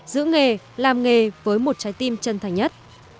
giữ nghề làm nghề với một trái tim chân thành nhất